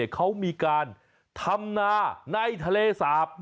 เขามีการทำนาในทะเลสาบ